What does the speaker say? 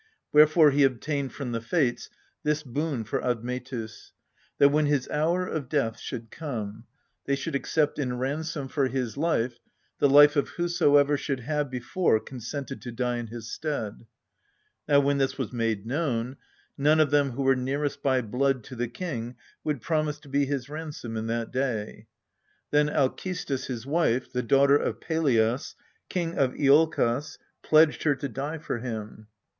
Wherefore he obtained from the Fates this boon for Admetus, that, when his hour of death should come, they should accept in ransom for his life the life of whosoever should have before consented to die in his stead. Now when this was made known, none of them who were nearest by blood to the king would promise to be his ransom in that day. Then Alcestis his wife, the daughter of Pelias, King of lolkos, pledged her to die for him.